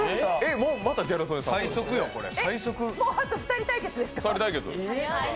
もうあと２人対決ですか？